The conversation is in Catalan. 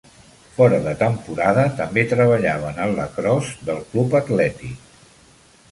Fora de temporada també treballava en el lacrosse del club atlètic.